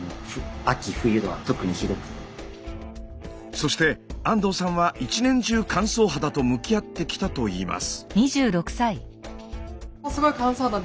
そして安藤さんは一年中乾燥肌と向き合ってきたといいます。